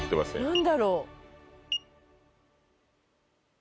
何だろう？